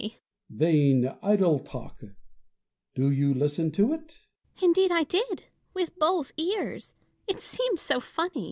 Fontanges. Indeed I did, with both ears ; it seemed so funny.